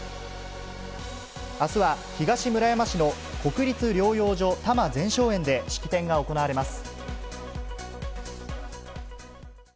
あすは東村山市の国立療養所多磨全生園で式典が行われます。